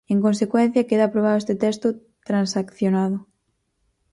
En consecuencia, queda aprobado este texto transaccionado.